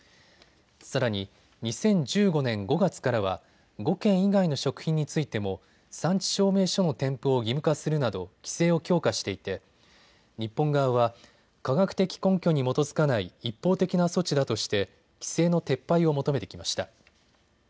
さらに２０１５年５月からは５県以外の食品についても産地証明書の添付を義務化するなど規制を強化していて日本側は科学的根拠に基づかない一方的な措置だとして規制の撤廃を求めてきました。